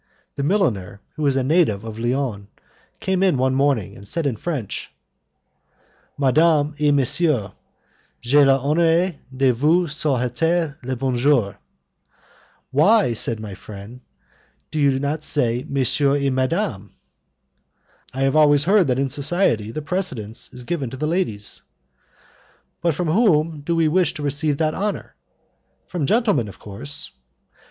The milliner, who was a native of Lyons, came in one morning, and said in French: "Madame et Monsieur, j'ai l'honneur de vous souhaiter le bonjour." "Why," said my friend, "do you not say Monsieur et madame?" "I have always heard that in society the precedence is given to the ladies." "But from whom do we wish to receive that honour?" "From gentlemen, of course."